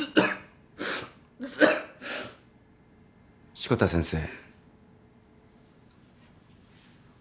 志子田先生。